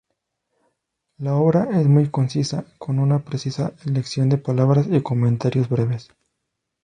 La obra es muy concisa, con una precisa elección de palabras y comentarios breves.